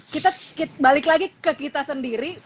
kita balik lagi ke kita sendiri